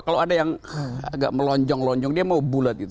kalau ada yang agak melonjong lonjong dia mau bulat gitu